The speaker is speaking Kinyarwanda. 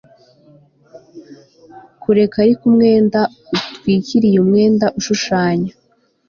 kureka ariko umwenda utwikiriye umwenda ushushanya